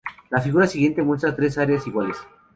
La figura siguiente muestra tres áreas iguales.